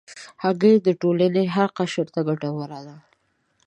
هګۍ د ټولنې هر قشر ته ګټوره ده.